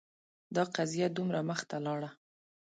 دا قضیه دومره مخته لاړه